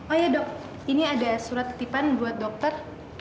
oh ya dok ini ada surat titipan buat dokter